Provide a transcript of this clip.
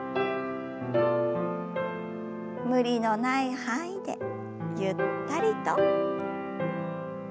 無理のない範囲でゆったりと。